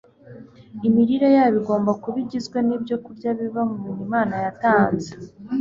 imirire yabo igomba kuba igizwe n'ibyokurya biva mu bintu imana yatanze